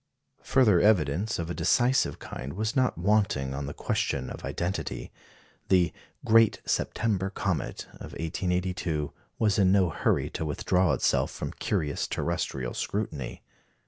Further evidence of a decisive kind was not wanting on the question of identity. The "Great September Comet" of 1882 was in no hurry to withdraw itself from curious terrestrial scrutiny.